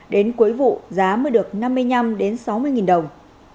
đến cuối vụ giá mới được năm mươi năm sáu mươi đồng